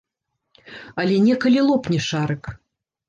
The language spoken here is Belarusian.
Але некалі лопне шарык.